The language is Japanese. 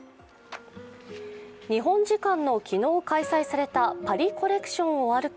日本時間の昨日開催されたパリ・コレクションを歩く